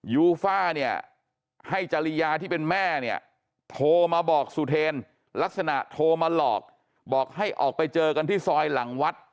ยูฟ่าเนี่ยให้จริยาที่เป็นแม่เนี่ยโทรมาบอกสุเทนลักษณะโทรมาหลอกบอกให้ออกไปเจอกันที่ซอยหลังวัด